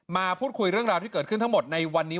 มาพูดคุยเรื่องราวที่เกิดขึ้นทั้งหมดในวันนี้